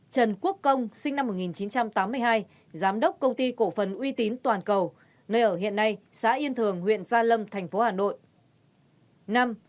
một trần quốc công sinh năm một nghìn chín trăm tám mươi hai giám đốc công ty cổ phần uy tín toàn cầu nơi ở hiện nay xã yên thường huyện gia lâm thành phố hà nội